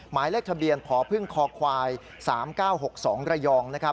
หมายเลขทะเบียนพพึ่งคควาย๓๙๖๒ระยอง